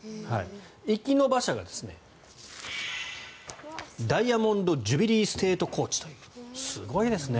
行きの馬車がダイヤモンド・ジュビリー・ステート・コーチというすごいですね。